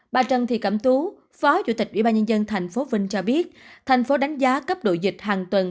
bà trần thị cẩm tú phó chủ tịch ubnd tp vinh cho biết thành phố đánh giá cấp độ dịch hàng tuần